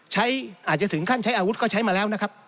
อาจจะถึงขั้นใช้อาวุธก็ใช้มาแล้วนะครับ